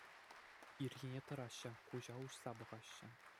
Ирхине тӑраҫҫӗ, куҫа уҫса пӑхаҫҫӗ.